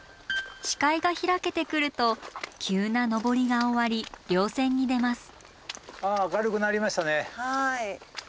視界が開けてくると急な登りが終わり稜線に出ます。